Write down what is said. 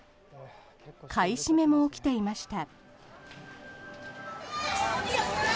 買い占めも起きていました。